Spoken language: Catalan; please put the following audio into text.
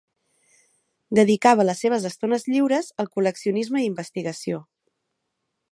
Dedicava les seves estones lliures al col·leccionisme i investigació.